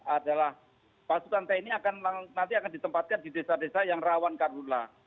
adalah pasukan tni nanti akan ditempatkan di desa desa yang rawan karhula